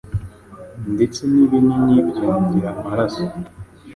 ndetse n’ibinini byongera amaraso,